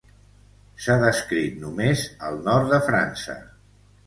S'ha descrit només al nord de França.